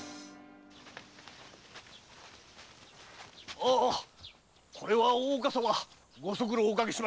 おおこれは大岡様ご足労をおかけしました。